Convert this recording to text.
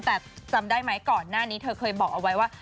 แต่จำได้ไหมก่อนหน้านี้เธอเคยบอกเอาไว้ว่า